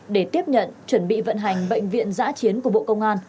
để tiếp nhận chuẩn bị vận hành bệnh viện giã chiến của bộ công an